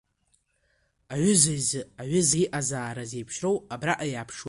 Аҩыза изы аҩыза иҟазаара зеиԥшроу абраҟа иааԥшуеит.